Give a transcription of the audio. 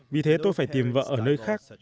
vì thế tôi phải tìm vợ ở nơi khác